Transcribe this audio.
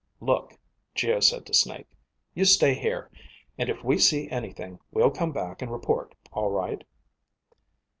"Look," Geo said to Snake, "you stay here, and if we see anything, we'll come back and report, all right?"